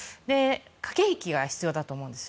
駆け引きが必要だと思うんです。